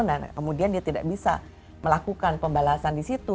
nah kemudian dia tidak bisa melakukan pembalasan di situ